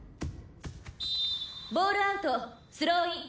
「ボールアウト」「スローイン。